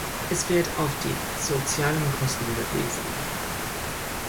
Es wird auf die sozialen Kosten verwiesen.